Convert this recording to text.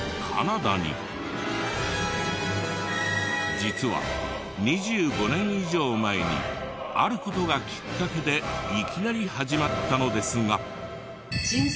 実は２５年以上前にある事がきっかけでいきなり始まったのですが。